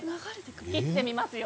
切ってみますよ。